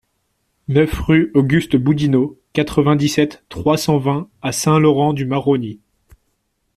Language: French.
neuf rue Auguste Boudinot, quatre-vingt-dix-sept, trois cent vingt à Saint-Laurent-du-Maroni